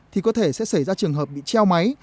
thì có thể sẽ xảy ra trường hợp bị treo máy